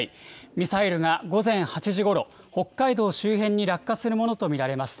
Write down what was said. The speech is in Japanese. ミサイルが午前８時ごろ、北海道周辺に落下するものと見られます。